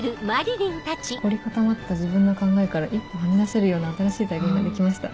「凝り固まった自分の考えから一歩はみ出せるような新しい体験ができました！